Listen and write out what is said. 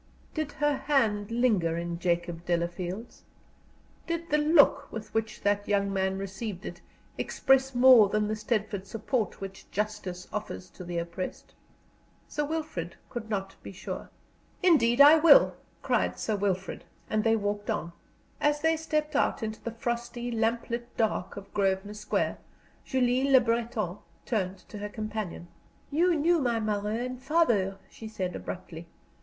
Did her hand linger in Jacob Delafield's? Did the look with which that young man received it express more than the steadfast support which justice offers to the oppressed? Sir Wilfrid could not be sure. [Illustration: "'INDEED I WILL!' CRIED SIR WILFRID, AND THEY WALKED ON"] As they stepped out into the frosty, lamp lit dark of Grosvenor Square, Julie Le Breton turned to her companion. "You knew my mother and father," she said, abruptly.